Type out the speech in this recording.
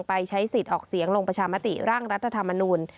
ไปใช้สิทธิ์ออกเสียงลงประชามติร่างรัฐธรรมนูล